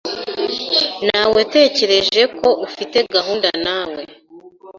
Nawetekereje ko ufite gahunda nawe .